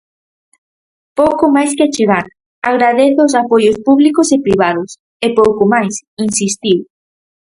Pouco máis que achegar, agradezo os apoios públicos e privados, e pouco máis, insistiu.